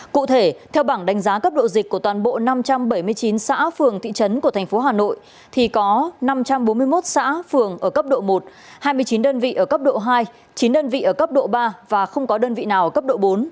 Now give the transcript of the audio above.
cụ thể theo bảng đánh giá cấp độ dịch của toàn bộ năm trăm bảy mươi chín xã phường thị trấn của thành phố hà nội thì có năm trăm bốn mươi một xã phường ở cấp độ một hai mươi chín đơn vị ở cấp độ hai chín đơn vị ở cấp độ ba và không có đơn vị nào cấp độ bốn